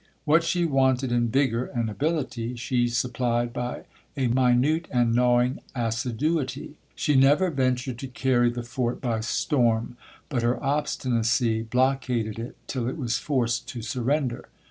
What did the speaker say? —What she wanted in vigour and ability, she supplied by a minute and gnawing assiduity. She never ventured to carry the fort by storm, but her obstinacy blockaded it till it was forced to surrender.